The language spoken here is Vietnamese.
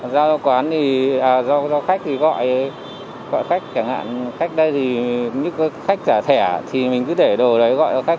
giao cho khách thì gọi gọi khách chẳng hạn khách đây thì khách trả thẻ thì mình cứ để đồ đấy gọi cho khách